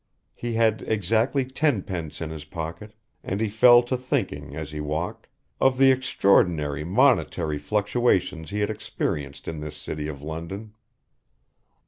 He had exactly tenpence in his pocket, and he fell to thinking as he walked, of the extraordinary monetary fluctuations he had experienced in this city of London.